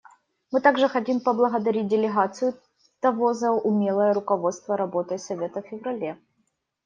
Мы также хотим поблагодарить делегацию Того за умелое руководство работой Совета в феврале.